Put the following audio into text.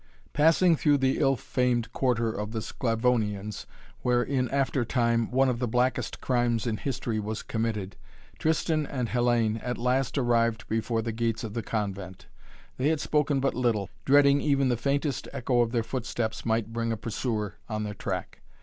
Passing through the ill famed quarter of the Sclavonians, where, in after time, one of the blackest crimes in history was committed, Tristan and Hellayne at last arrived before the gates of the convent. They had spoken but little, dreading even the faintest echo of their footsteps might bring a pursuer on their track.